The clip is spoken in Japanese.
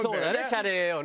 シャレよね